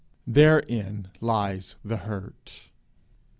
Therein lies the hurt.